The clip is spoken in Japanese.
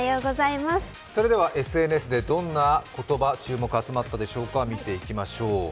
ＳＮＳでどんな言葉、注目が集まったでしょうか、見ていきましょう。